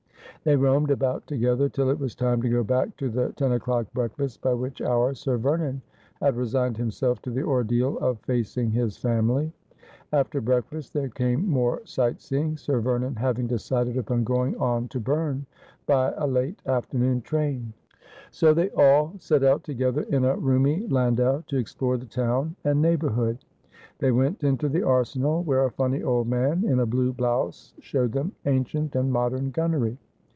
They roamed about together till it was time to go back to the ten o'clock breakfast, by which hour Sir Vernon had resigned him self to the ordeal of facing his family. After breakfast there came more sight seeing, Sir Vernon having decided upon going on to Berne by a late afternoon train. So they all set out together in a roomy landau to ex plore the town and neighbourhood. They went into the arsenal, where a funny old man in a blue blouse showed them ancient and modern gunnery.